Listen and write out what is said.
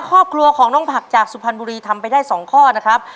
ครอบครัวของน้องผักจากสุพรรณบุรีทำไปได้๒ข้อนะครับ